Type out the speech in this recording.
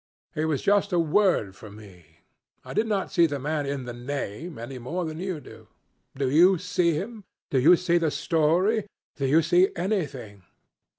He was just a word for me. I did not see the man in the name any more than you do. Do you see him? Do you see the story? Do you see anything?